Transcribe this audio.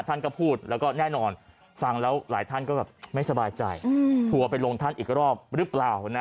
ท่านก็พูดแล้วก็แน่นอนฟังแล้วหลายท่านก็แบบไม่สบายใจทัวร์ไปลงท่านอีกรอบหรือเปล่านะ